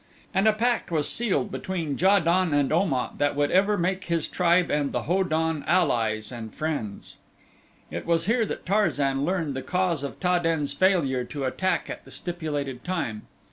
And a pact was sealed between Ja don and Om at that would ever make his tribe and the Ho don allies and friends. It was here that Tarzan learned the cause of Ta den's failure to attack at the stipulated time.